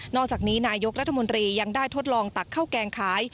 อกจากนี้นายกรัฐมนตรียังได้ทดลองตักข้าวแกงขาย